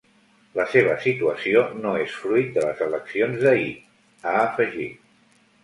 La seva situació no és fruit de les eleccions d’ahir, ha afegit.